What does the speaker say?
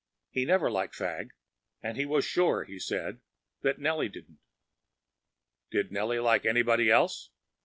He never liked Fagg, and he was sure, he said, that Nellie didn’t. Did Nellie like anybody else?